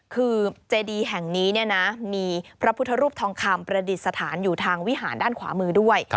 คือเจดีแห่งนี้เนี่ยนะมีพระพุทธรูปทองคำประดิษฐานอยู่ทางวิหารด้านขวามือด้วย